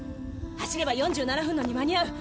走れば４７分のに間に合う。